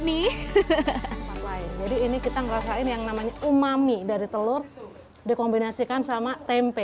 nih jadi ini kita merasakan yang namanya umami dari telur dikombinasikan sama tempe